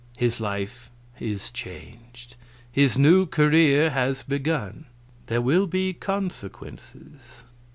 His life is changed, his new career has begun. There will be consequences."